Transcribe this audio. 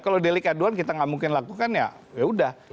kalau delik aduan kita gak mungkin lakukan ya udah